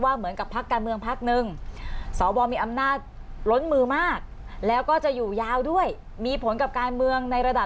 ว่าเหมือนกับภักดาลเมืองภักดิ์หนึ่ง